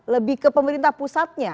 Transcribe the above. lebih ke pemerintah pusatnya